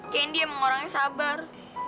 kendi emang orangnya sabar